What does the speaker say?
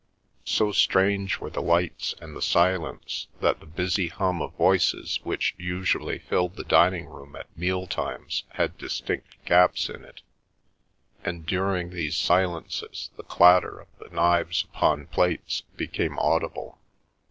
So strange were the lights and the silence that the busy hum of voices which usually filled the dining room at meal times had distinct gaps in it, and during these silences the clatter of the knives upon plates became audible.